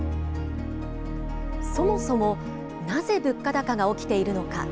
そもそも、なぜ物価高が起きているのか。